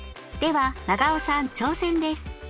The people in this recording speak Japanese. では永尾さん挑戦です。